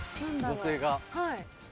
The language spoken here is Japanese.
女性が。